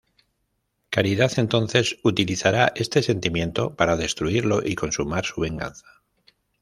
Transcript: Caridad entonces utilizará este sentimiento para destruirlo y consumar su venganza.